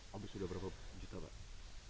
hampir sudah berapa juta pak